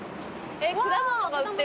果物が売ってる。